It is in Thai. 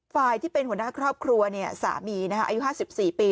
ฝ่ายที่เป็นหัวหน้าครอบครัวเนี่ยสามีนะฮะอายุ๕๔ปี